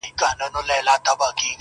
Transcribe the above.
• ماسومان ترې وېرېږي تل,